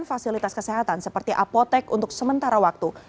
fasilitas kesehatan seperti apotek untuk sementara waktu